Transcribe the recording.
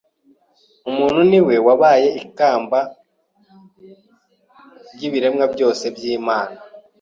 Umuntu ni we wabaye ikamba ry’ibiremwa byose by’Imana,